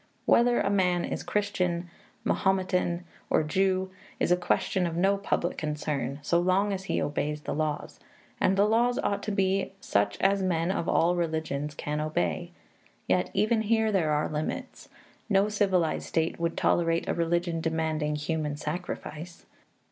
Whether a man is Christian, Mahometan, or Jew is a question of no public concern, so long as he obeys the laws; and the laws ought to be such as men of all religions can obey. Yet even here there are limits. No civilized state would tolerate a religion demanding human sacrifice.